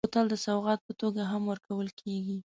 بوتل د سوغات په توګه هم ورکول کېږي.